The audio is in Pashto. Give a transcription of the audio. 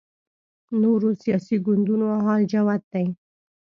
نورو سیاسي ګوندونو حال جوت دی